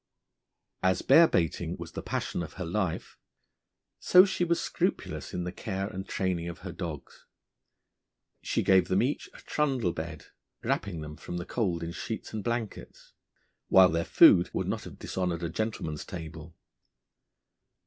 As bear baiting was the passion of her life, so she was scrupulous in the care and training of her dogs. She gave them each a trundle bed, wrapping them from the cold in sheets and blankets, while their food would not have dishonoured a gentleman's table.